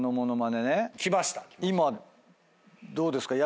今どうですか？